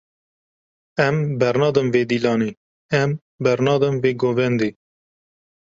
Em bernadin vê dîlanê, em bernadin vê govendê.